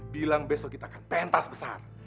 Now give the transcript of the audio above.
bilang besok kita akan pentas besar